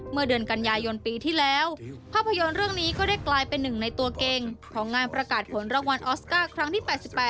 เมื่อเดือนกันยายนปีที่แล้วภาพยนตร์เรื่องนี้ก็ได้กลายเป็นหนึ่งในตัวเก่งของงานประกาศผลรางวัลออสการ์ครั้งที่๘๘